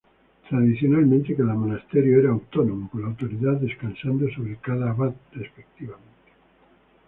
Tradicionalmente cada monasterio era autónomo, con la autoridad descansando sobre cada abad respectivo.